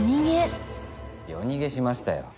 夜逃げしましたよ。